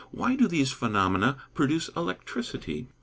_Why do these phenomena produce electricity?